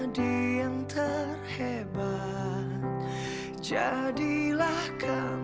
drat senga bu saja di s hilang